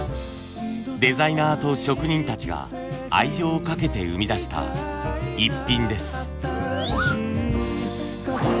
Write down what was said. デザイナーと職人たちが愛情をかけて生み出したイッピンです。